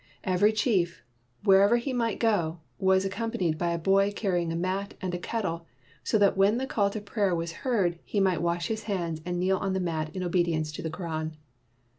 Every chief, wherever he might go, was accom panied by a boy carrying a mat and a ket tle, so that when the call to prayer was heard, he might wash his hands and kneel on the mat in obedience to the Koran.